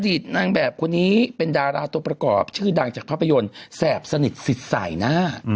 ตนางแบบคนนี้เป็นดาราตัวประกอบชื่อดังจากภาพยนตร์แสบสนิทสิทธิ์สายหน้า